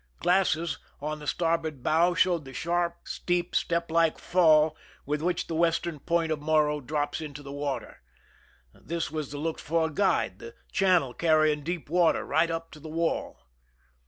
Glasses on the starboard bow showed the sharp, steep, step like fall with which the western point of Morro drops into the water. This was the looked f or guide, the channel carrying deep water right up to the wall.